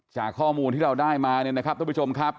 จากข้อมูลที่เราได้มาเนี่ยนะครับทุกผู้ชมครับ